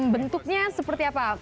bentuknya seperti apa